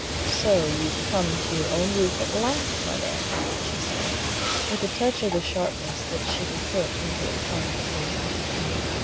"So you've come to your own roof at last, my man!" she said, with a touch of the sharpness that she could put into her tongue on occasion.